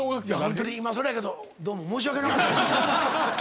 ホントにいまさらやけどどうも申し訳なかったです。